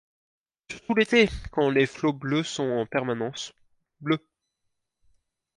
Surtout l’été, quand les flots bleus le sont en permanence, bleus.